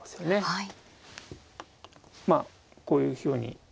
はい。